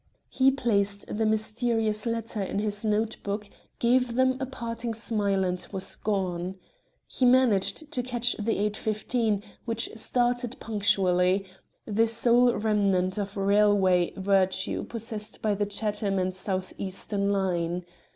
He placed the mysterious letter in his note book, gave them a parting smile, and was gone. He managed to catch the 8.15, which started punctually, the sole remnant of railway virtue possessed by the Chatham and South Eastern line.